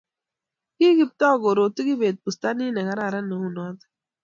kiKiptooo kuroti kibet bustanit ne kararan neu noto